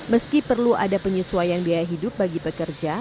meski perlu ada penyesuaian biaya hidup bagi pekerja